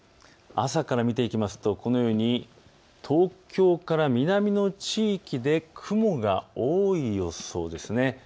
朝から見ていきますとこのように東京から南の地域で雲が多い予想です。